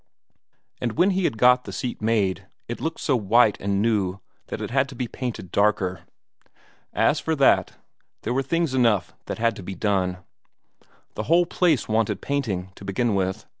And when he had got the seat made, it looked so white and new that it had to be painted darker. As for that, there were things enough that had to be done! The whole place wanted painting, to begin with.